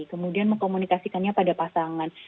kemudian mengkomunikasikannya pada pasangan